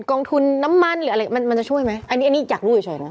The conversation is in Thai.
กองทุนน้ำมันหรืออะไรมันมันจะช่วยไหมอันนี้อันนี้อยากรู้เฉยนะ